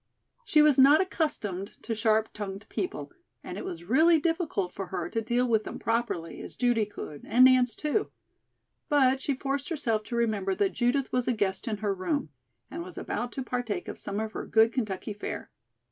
She was not accustomed to sharp tongued people, and it was really difficult for her to deal with them properly, as Judy could, and Nance, too. But she forced herself to remember that Judith was a guest in her room, and was about to partake of some of her good Kentucky fare.